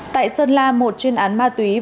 tại sơn la một chuyên án ma túy vừa gây án